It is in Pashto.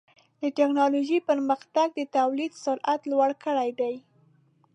د ټکنالوجۍ پرمختګ د تولید سرعت لوړ کړی دی.